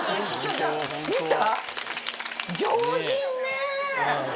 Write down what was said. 見た？